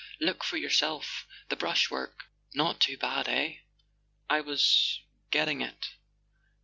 Look for yourself. The brushwork ... not too bad, eh ? I was ... getting it.